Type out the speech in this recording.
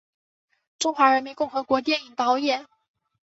中华人民共和国电影导演。